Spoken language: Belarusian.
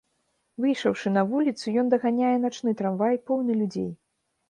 Выйшаўшы на вуліцу, ён даганяе начны трамвай поўны людзей.